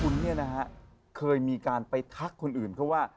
คุณเนี่ยนะฮะเคยมีการไปทักคนอื่นเขาว่า